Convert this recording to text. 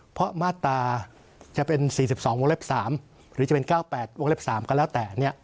เพราะมาตราจะเป็น๔๒วงเล็บ๓หรือจะเป็น๙๘วงเล็บ๓ก็แล้วแต่